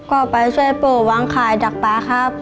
ก็ไปช่วยปู่วางขายดักปลาครับ